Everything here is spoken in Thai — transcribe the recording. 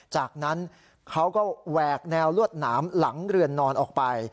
จากนั้นเขาก็แหวกแนวลวดหนามหลังเรือนนอนออกไป